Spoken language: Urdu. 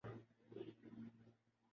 سے بہت سے واپس اپنے ملک کو نہیں گئے۔